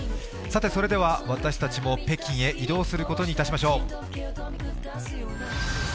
それでは私たちも北京へ移動することにいたしましょう。